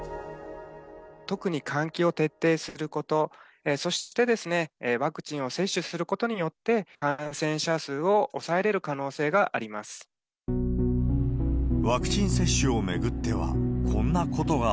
特に換気を徹底すること、そしてワクチンを接種することによって、感染者数を抑えれる可能ワクチン接種を巡っては、こんなことが。